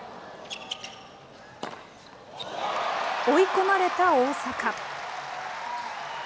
追い込まれた大坂。